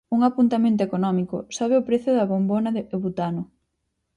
Un apuntamento económico: sobe o prezo da bombona de butano.